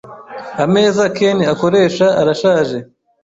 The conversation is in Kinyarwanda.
Ameza Ken akoresha arashaje .